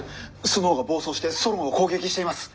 スノウが暴走してソロンを攻撃しています！